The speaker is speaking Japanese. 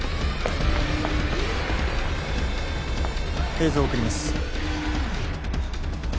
映像送ります